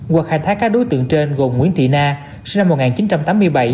qua khai thác các đối tượng trên gồm nguyễn thị na sinh năm một nghìn chín trăm tám mươi bảy